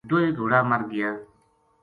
دوئے گھوڑا مر گیا